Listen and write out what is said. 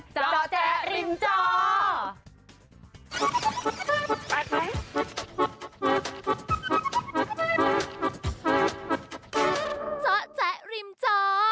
เจ้าแจ๊กริมจ้อ